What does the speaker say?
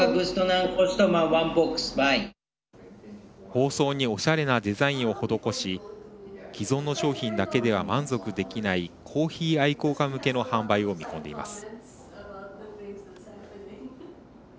包装におしゃれなデザインを施し既存の商品だけでは満足できないコーヒー愛好家向けの販売を見込んでいます。